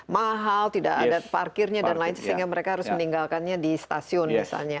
mahal tidak ada parkirnya dan lain sehingga mereka harus meninggalkannya di stasiun misalnya